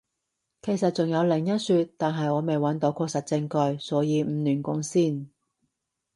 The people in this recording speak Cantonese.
其實仲有另一說，但係我未揾到確實證據，所以唔亂講先